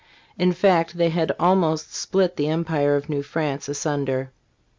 In fact, they had almost split the empire of New France asunder.